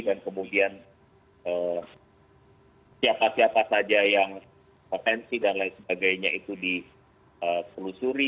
dan kemudian siapa siapa saja yang potensi dan lain sebagainya itu diselusuri